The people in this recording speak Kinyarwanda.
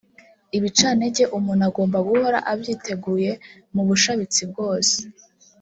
Ibicantege umuntu agomba guhora abyiteguye mu bushabitsi bwose